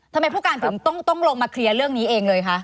ทำไมผู้การถึงต้องลงมาเคลียร์เรื่องนี้เองเลยคะ